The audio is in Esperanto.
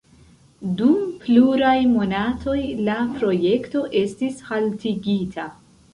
Dum pluraj monatoj la projekto estis haltigita.